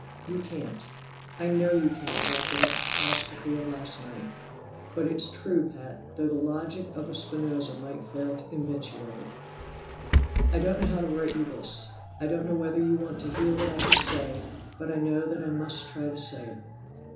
"You can't; I know you can't after that catastrophe of last night. But it's true, Pat, though the logic of a Spinoza might fail to convince you of it. "I don't know how to write you this. I don't know whether you want to hear what I could say, but I know that I must try to say it.